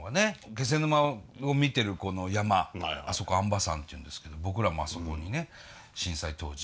気仙沼を見てるこの山あそこ安波山っていうんですけど僕らもあそこにね震災当時。